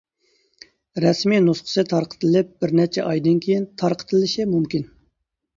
رەسمىي نۇسخىسى تارقىتىلىپ بىر نەچچە ئايدىن كېيىن تارقىتىلىشى مۇمكىن.